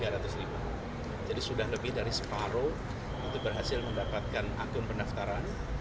jadi sudah lebih dari separuh untuk berhasil mendapatkan akun pendaftaran